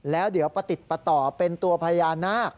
แล้วเดี๋ยวประติดประต่อเป็นตัวพญานาค